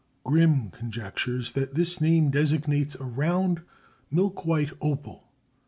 Grimm conjectures that this name designates a round, milk white opal.